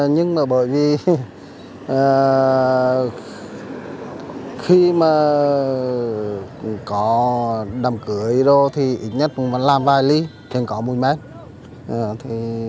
nhưng mà bởi vì khi mà có đồng cửa rồi thì ít nhất là làm vài ly trên có một mét